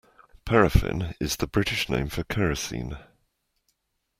Paraffin is the British name for kerosene